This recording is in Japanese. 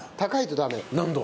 何度？